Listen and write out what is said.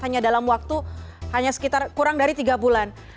hanya dalam waktu kurang dari tiga bulan